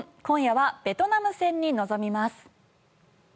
今夜はベトナム戦に臨みます。